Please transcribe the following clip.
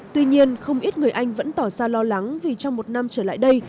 tuy nhiên không ít người anh vẫn tỏ ra lo lắng vì trong một năm trở lại đây